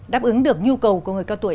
đáp ứng được nhu cầu của người cao tuổi